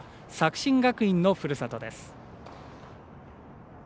新学院のふるさとです。